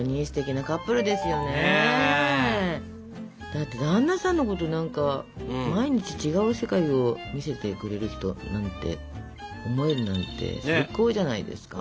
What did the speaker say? だって旦那さんのこと何か「毎日違う世界を見せてくれる人」なんて思えるなんて最高じゃないですか。